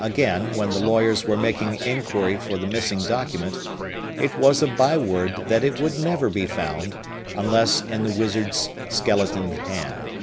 Again, when the lawyers were making inquiry for the missing document, it was a by word that it would never be found, unless in the wizard's skeleton hand.